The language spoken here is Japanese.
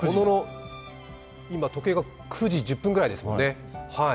今、時計が９時１０分ぐらいですもんね。